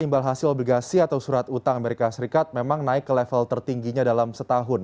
imbal hasil obligasi atau surat utang amerika serikat memang naik ke level tertingginya dalam setahun